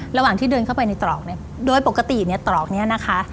ระหว่างที่เดินเข้าไปในตรอกโดยปกติตรอกนี้นะคะ